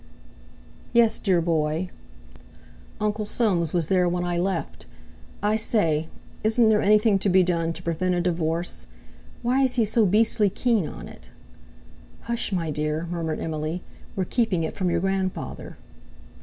"Yes, dear boy." "Uncle Soames was there when I left. I say, isn't there anything to be done to prevent a divorce? Why is he so beastly keen on it?" "Hush, my dear!" murmured Emily; "we're keeping it from your grandfather."